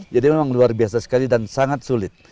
jadi memang luar biasa sekali dan sangat sulit